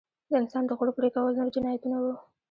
د انسان د غړو پرې کول نور جنایتونه وو.